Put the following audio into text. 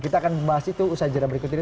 kita akan membahas itu usaha jalan berikut ini